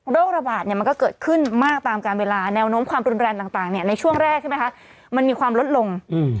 ระบาดมันก็เกิดขึ้นมากตามการเวลาแนวโน้มความรุนแรงต่างในช่วงแรกใช่ไหมคะมันมีความลดลง